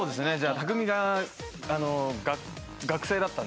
匠海が学生だったんで。